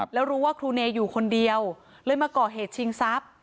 แล้วรู้ว่าครูเนย์อยู่คนเดียวเลยมาเกาะเหตุชิงซับ